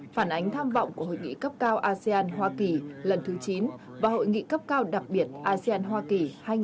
phản ánh tham vọng của hội nghị cấp cao asean hoa kỳ lần thứ chín và hội nghị cấp cao đặc biệt asean hoa kỳ hai nghìn hai mươi năm